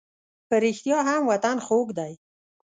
په رښتیا هم وطن خوږ دی.